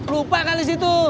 lupa kali situ